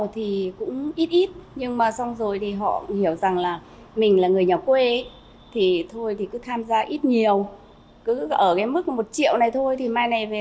tham gia ít nhiều cứ ở mức một triệu này thôi mai này về già cũng được bảo hiểm y tế của một năm